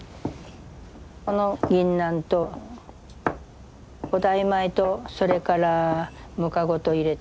このギンナンと古代米とそれからムカゴと入れて。